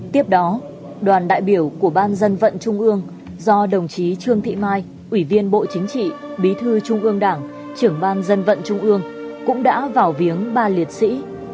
tiếp đó đoàn đại biểu của ban dân vận trung ương do đồng chí trương thị mai ủy viên bộ chính trị bí thư trung ương đảng trưởng ban dân vận trung ương cũng đã vào viếng ba liệt sĩ